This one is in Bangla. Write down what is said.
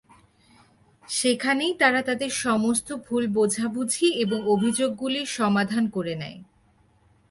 সেখানেই তারা তাদের সমস্ত ভুল বোঝাবুঝি এবং অভিযোগগুলি সমাধান করে নেয়।